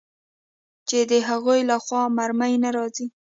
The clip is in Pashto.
چې د هغوى له خوا مرمۍ نه راځي.